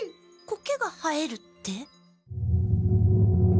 コケが生えるって。